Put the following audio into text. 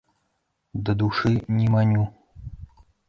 Да душы, не маню!